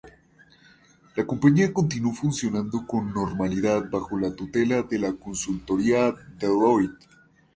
La compañía continuó funcionando con normalidad bajo la tutela de la consultoría Deloitte.